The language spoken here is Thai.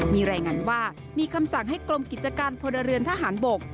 มีรายงานว่ามีคำสั่งให้กรมกิจการพลเรือนทหารบก